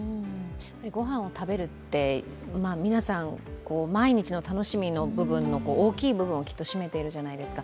ご飯を食べるって、皆さん毎日の楽しみの大きい部分をきっと占めているじゃないですか。